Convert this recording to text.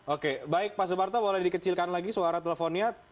oke baik pak suparto boleh dikecilkan lagi suara teleponnya